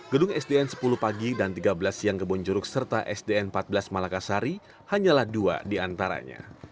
gedung sdn sepuluh pagi dan tiga belas siang kebonjuruk serta sdn empat belas malakasari hanyalah dua di antaranya